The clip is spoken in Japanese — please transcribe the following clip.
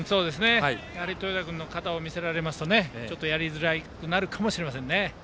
豊田君の肩を見せられるとちょっとやりづらくなるかもしれません。